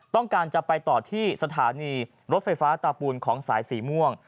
ต้องการจะไปต่อที่สถานีรถไฟฟ้าตาปูนของสายสีม่วง